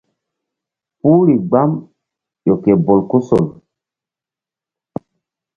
Puhri gbam ƴo ke bolkusol.